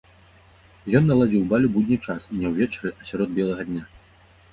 Ён наладзіў баль у будні час і не ўвечары, а сярод белага дня.